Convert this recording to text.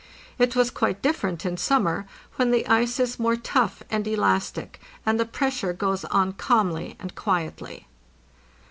It was quite different in summer, when the ice is more tough and elastic, and the pressure goes on calmly and quietly.